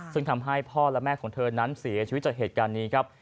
ซึ่งทำให้พ่อและแม่ของเธอนั้นเสียชีวิตจากเหตุการณ์นี้ครับ